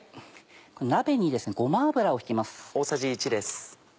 鍋にごま油を引きます。